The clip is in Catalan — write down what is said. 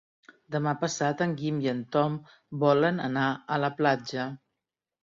Demà passat en Guim i en Tom volen anar a la platja.